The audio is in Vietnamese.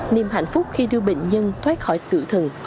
niềm hạnh phúc khi đưa bệnh nhân thoát khỏi tử thần